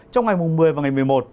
trong ngày một mươi và ngày một mươi một